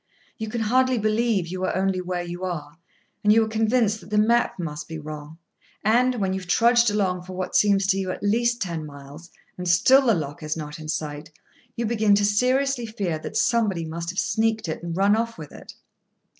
You can hardly believe you are only where you are, and you are convinced that the map must be wrong; and, when you have trudged along for what seems to you at least ten miles, and still the lock is not in sight, you begin to seriously fear that somebody must have sneaked it, and run off with it.